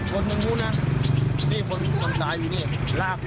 มุนต้องรีบตายอยู่รากยาวเลย